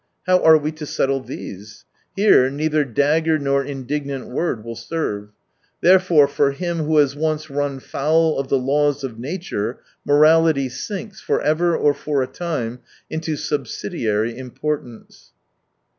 How are we to settle these ? Here neither dagger nor indignant word will serve. Therefore, for him who has once run foul of the laws of nature morality sinks, for ever or for a time, into subsidiary importance.